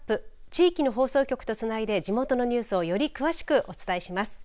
地域の放送局とつないで地元のニュースをより詳しくお伝えします。